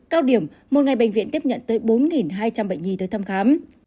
cao điểm một ngày bệnh viện tiếp nhận tới bốn hai trăm linh bệnh nhi tới thăm khám